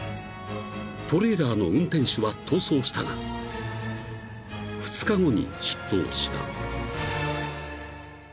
［トレーラーの運転手は逃走したが２日後に出頭した］